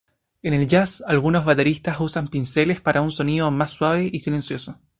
En el jazz, algunos bateristas usan pinceles para un sonido más suave y silencioso.